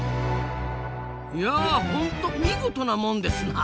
いやホント見事なもんですなあ。